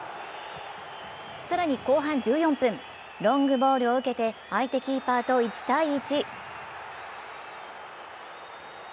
さらに後半１４分ロングボールを受けて相手キーパーと１対１。